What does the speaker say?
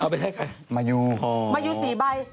เอาไปให้ใครมายูมายูสี่ใบ